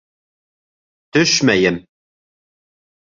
—Төшмәйем!